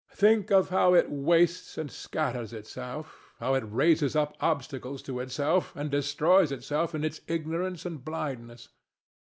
Think of how it wastes and scatters itself, how it raises up obstacles to itself and destroys itself in its ignorance and blindness.